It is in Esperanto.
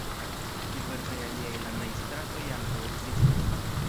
Diversaj aliaj landaj stratoj ankaŭ ekzistas.